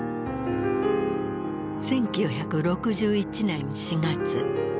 １９６１年４月。